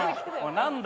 何だ